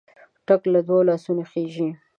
ټک له دوو لاسونو خېژي.